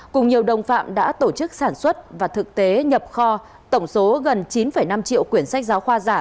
cùng nhiều đồng phạm đã tổ chức sản xuất và thực tế nhập kho tổng số gần chín năm triệu quyển sách giáo khoa giả